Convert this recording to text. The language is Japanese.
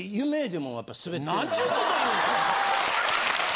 何ちゅうこと言うねん！